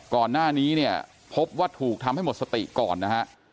ก่อนหน้านี้เนี่ยพบว่าถูกทำให้หมดสติก่อนนะฮะ